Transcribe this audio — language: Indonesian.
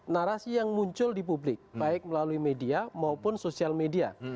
narasi yang muncul di publik baik melalui media maupun sosial media